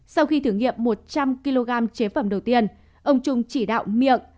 sau khi thử nghiệm một trăm linh kg chế phẩm đầu tiên ông trung chỉ đạo miệng